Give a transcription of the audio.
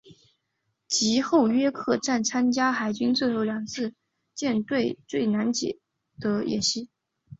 及后约克镇号参与了海军最后两次的舰队解难演习。